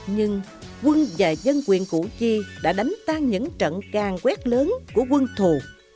nhưng quân và dân quyền củ chi đã đánh tan những trận càng quét lớn của quân thù